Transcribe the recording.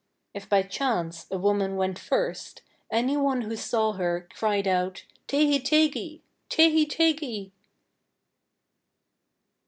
If by chance a woman went first, anyone who saw her cried out 'Tehi Tegi! Tehi Tegi!'